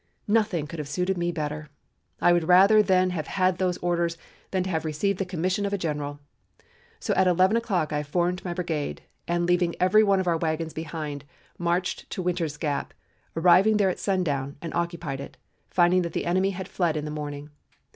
Nothing could have suited me better. I would rather then have had those orders than to have received the commission of a general. So at 11 o'clock I formed my brigade, and, leaving every one of our wagons behind, marched to Winter's Gap, arriving there at sundown and occupied it, finding that the enemy had fled in the morning.